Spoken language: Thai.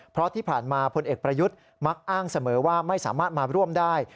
เพราะที่ผ่านมาพลเอกประยุทธ์มักอ้างเสมอว่าไม่สามารถมาร่วมได้